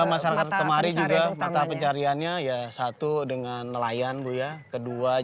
masyarakat kemarin juga mata pencariannya ya satu dengan nelayan bu ya